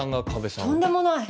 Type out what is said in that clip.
とんでもない！